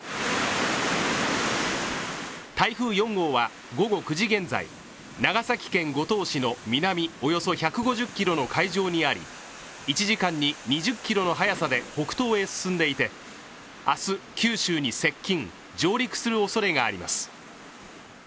台風４号は、午後９時現在長崎県五島市の南およそ１５０ｋｍの海上にあり１時間に２０キロの速さで北東に進んでいて、明日、九州に接近、上陸するおそれがあります。